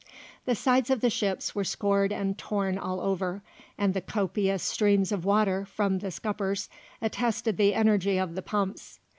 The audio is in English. The sides of the ships were scored and torn all over, and the copious streams of water from the scuppers attested the energy of the pumps.